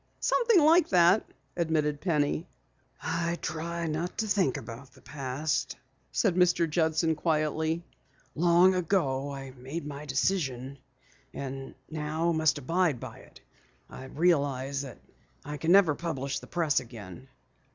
"Something like that," admitted Penny. "I try not to think about the past," said Mr. Judson quietly. "Long ago I made my decision, and now must abide by it. I realize that I never can publish the Press again.